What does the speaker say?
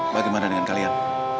bagaimana dengan kalian